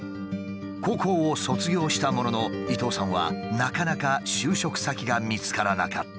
高校を卒業したものの伊東さんはなかなか就職先が見つからなかった。